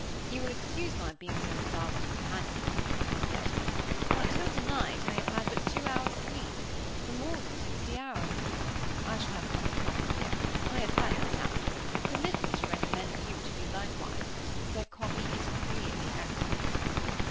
"You will excuse my being so dull a companion," he said, "but till tonight I have had but two hours' sleep, for more than sixty hours. I shall have a cup of coffee here; I have had my nap. Permit me to recommend you to do likewise. Their coffee is really excellent."